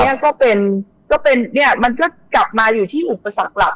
นี่ก็เป็นมันก็จะกลับมาอยู่ที่อุปสรรคหลัก